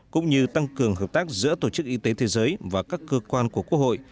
cũng như tăng cường hợp tác giữa tổ chức y tế thế giới và các cơ quan của quốc hội